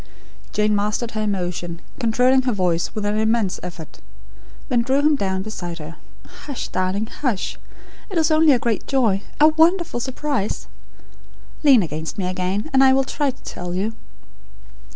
Jane mastered her emotion; controlling her voice, with an immense effort. Then drew him down beside her. "Hush, darling, hush! It is only a great joy a wonderful surprise. Lean against me again, and I will try to tell you.